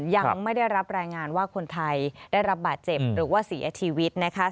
ยังไม่ได้รับรายงานว่าคนไทยได้รับบาดเจ็บหรือว่าเสียชีวิตนะคะ